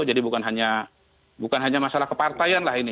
jadi bukan hanya masalah kepartaian lah ini